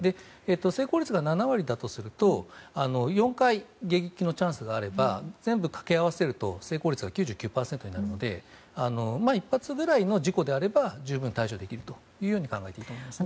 成功率が７割だとすると４回迎撃のチャンスがあれば全部掛け合わせると成功率が９９％になるので１発くらいの事故であれば十分に対処できると思います。